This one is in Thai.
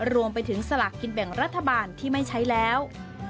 รวมไปถึงสลากกินแบ่งรัฐบาลที่ไม่ใช้แล้ว